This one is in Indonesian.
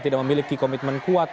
tidak memiliki komitmen kuat